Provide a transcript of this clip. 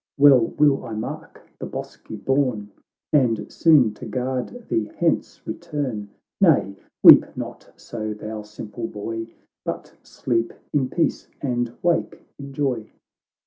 Well will I mark the bosky bourne, And soon, to guard thee hence, return. — Nay, weep not so, thou simple boy ! But sleep in peace, and wake in joy."